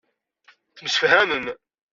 Temsefhamem.